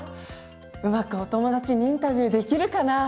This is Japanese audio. うまくおともだちにインタビューできるかな？